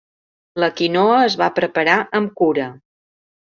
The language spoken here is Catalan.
La quinoa es va preparar amb cura.